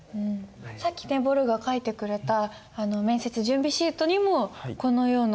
さっきねぼるが書いてくれた面接準備シートにもこのような項目があったよね。